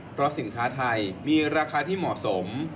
เพราะสินค้าไทยมีราคาที่เหมาะสม